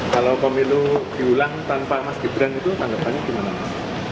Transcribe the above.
kalau pemilu diulang tanpa mas gibran itu tanggapannya gimana mas